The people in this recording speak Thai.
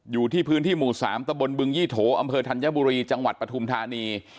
อยู่ที่พื้นที่หมู่๓ตะบนบึงยี่โถอำเภอธัญบุรีจังหวัดปฐุมธานี